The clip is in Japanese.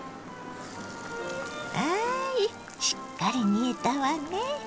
はいしっかり煮えたわね。